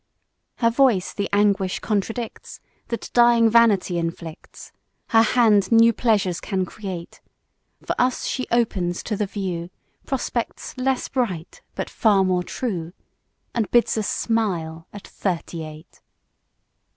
Page 41 Her voice the anguish contradicts That dying vanity inflicts; Her hand new pleasures can create, For us she opens to the view Prospects less bright but far more true, And bids us smile at Thirty eight.